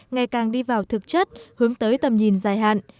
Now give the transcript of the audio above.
ngày càng đi vào thực chất hướng tới tầm nhìn dài hạn